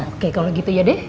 oke kalau gitu ya deh